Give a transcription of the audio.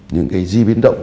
những cái di biến động